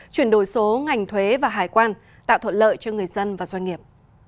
chuyển đổi số ngành thuế và hải quan tạo thuận lợi cho người dân và doanh nghiệp